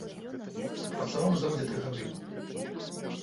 Адпрацаваў на заводзе тры гады.